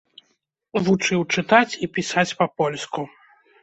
Вучыў чытаць і пісаць па-польску.